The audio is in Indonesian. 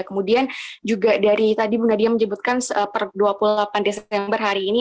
kemudian juga dari tadi bu nadia menyebutkan per dua puluh delapan desember hari ini